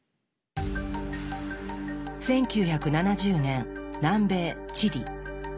１９７０年南米チリ。